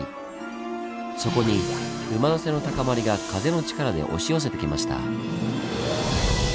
そこに馬の背の高まりが風の力で押し寄せてきました。